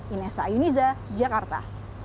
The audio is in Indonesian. inessa yuniza jakarta